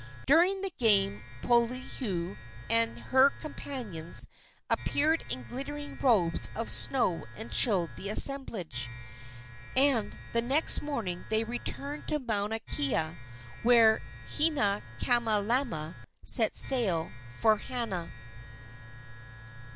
During the game Poliahu and her companions appeared in glittering robes of snow and chilled the assemblage, and the next morning they returned to Mauna Kea, while Hinaikamalama set sail for Hana.